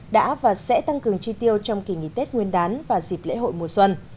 đã và sẽ tăng cường chi tiêu trong kỳ nghỉ tết nguyên đán và dịp lễ hội mùa xuân